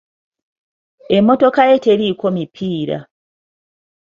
Emmotoka eyo teriiko mipiira.